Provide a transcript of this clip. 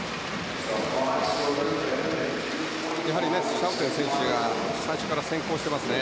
シャウテン選手が最初から先行してますね。